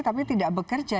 tapi tidak bekerja